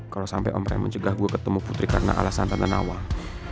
kalau sampai om rem mencegah gue ketemu putri karena alasan tante nawang